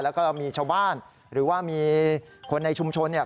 แล้วก็เรามีชาวบ้านหรือว่ามีคนในชุมชนเนี่ย